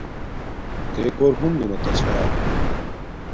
تے گھور ہنزو نا تا چھا